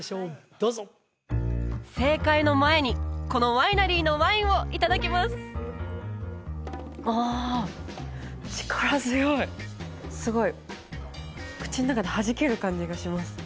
どうぞ正解の前にこのワイナリーのワインをいただきますああ力強いすごい口の中ではじける感じがします